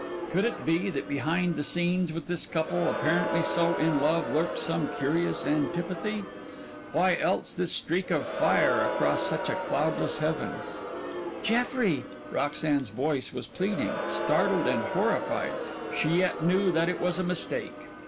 Could it be that behind the scenes with this couple, apparently so in love, lurked some curious antipathy? Why else this streak of fire, across such a cloudless heaven? "Jeffrey!" Roxanne's voice was pleading startled and horrified, she yet knew that it was a mistake.